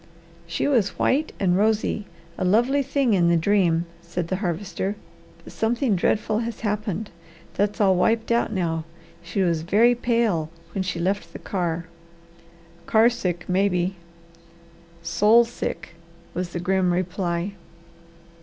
"She was white and rosy, a lovely thing in the dream," said the Harvester, "but something dreadful has happened. That's all wiped out now. She was very pale when she left the car." "Car sick, maybe." "Soul sick!" was the grim reply.